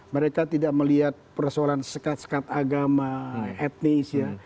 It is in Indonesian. mereka tidak melihat persoalan sekat sekat agama etnis ya